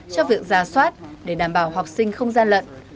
cho việc ra soát để đảm bảo học sinh không gian lận